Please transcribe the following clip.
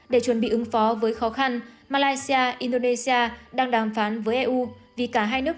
để chuẩn bị ứng phó với khó khăn malaysia indonesia đang đàm phán với eu vì cả hai nước